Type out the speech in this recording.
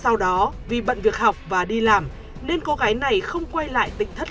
sau đó vì bận việc học và đi làm nên cô gái này không quay lại tịnh thất nữa